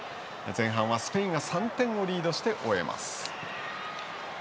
前半はスペインが３点をリードして終えます。